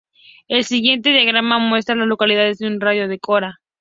El siguiente diagrama muestra a las localidades en un radio de de Cora.